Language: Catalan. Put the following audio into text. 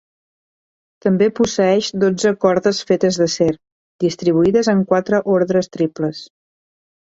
També posseeix dotze cordes fetes d'acer, distribuïdes en quatre ordres triples.